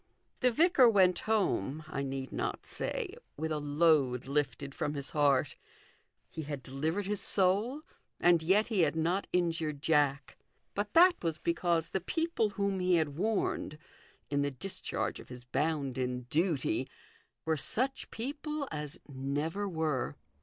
The vicar went home, I need not say, with a load lifted from his heart. He had delivered his soul, and yet he had not injured Jack. But that was because the people whom he had 312 THE GOLDEN RULE. warned, in the discharge of his bounden duty, were such people as never were.